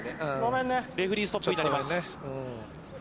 レフリーストップになります。